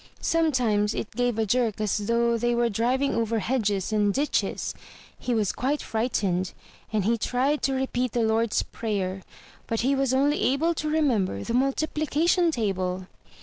Sometimes it gave a jerk as though they were driving over hedges and ditches. He was quite fright ened, and he tried to repeat the Lord's Prayer; but he was only able to remember the multiplication table.